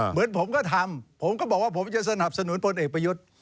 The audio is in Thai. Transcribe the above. เหมือนผมก็ทำผมก็บอกว่าผมจะสนับสนุนพลเอกประยุทธ์